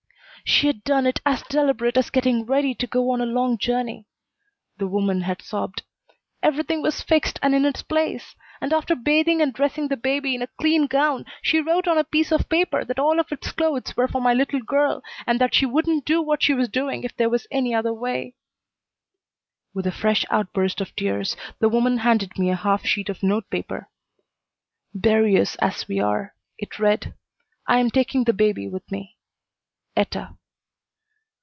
"She had done it as deliberate as getting ready to go on a long journey," the woman had sobbed. "Everything was fixed and in its place, and after bathing and dressing the baby in a clean gown, she wrote on a piece of paper that all of its clothes were for my little girl, and that she wouldn't do what she was doing if there was any other way." With a fresh outburst of tears, the woman handed me a half sheet of note paper. "Bury us as we are," it read. "I am taking the baby with me. Etta."